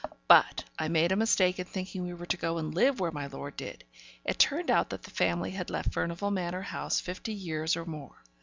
But I made a mistake in thinking we were to go and live where my lord did. It turned out that the family had left Furnivall Manor House fifty years or more.